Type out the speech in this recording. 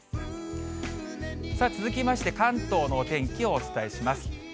続きまして、関東のお天気をお伝えします。